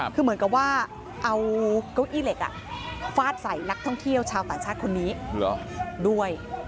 คือเหมือนกับว่าเอาเก้าอี้เหล็กฟาดใส่นักท่องเที่ยวชาวต่างชาติคนนี้ด้วย